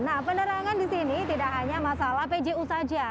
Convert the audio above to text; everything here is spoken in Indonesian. nah penerangan di sini tidak hanya masalah pju saja